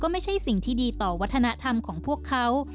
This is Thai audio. ไม่ใช่สิ่งที่ดีต่อวัฒนธรรมของพวกเขา